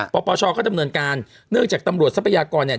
ปปชก็ดำเนินการเนื่องจากตำรวจทรัพยากรเนี่ย